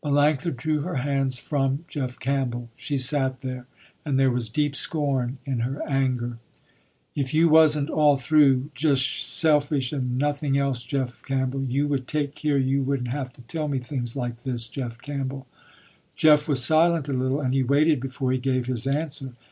Melanctha drew her hands from Jeff Campbell. She sat there, and there was deep scorn in her anger. "If you wasn't all through just selfish and nothing else, Jeff Campbell, you would take care you wouldn't have to tell me things like this, Jeff Campbell." Jeff was silent a little, and he waited before he gave his answer.